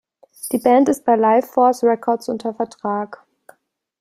Die Band ist bei Lifeforce Records unter Vertrag.